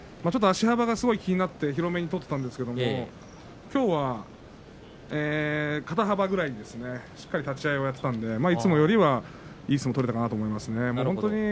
足幅がすごい気になって広めに取っていたんですが、きょうは肩幅ぐらいにしっかり立ち合いをやっていたので、いつもよりはいい相撲が取れたと思いますね。